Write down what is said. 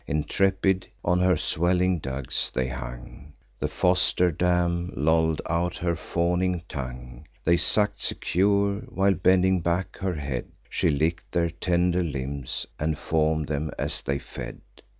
Intrepid on her swelling dugs they hung; The foster dam loll'd out her fawning tongue: They suck'd secure, while, bending back her head, She lick'd their tender limbs, and form'd them as they fed.